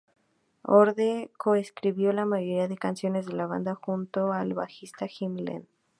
Holder co-escribió la mayoría de canciones de la banda junto al bajista Jim Lea.